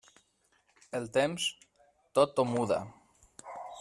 El temps, tot ho muda.